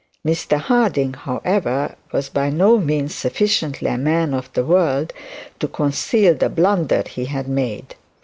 Mr Harding, however, was by no means sufficiently a man of the world to conceal the blunder he had made.